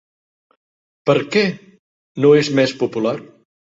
Per què no és més popular?